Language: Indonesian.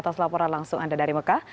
atas laporan langsung anda dari mekah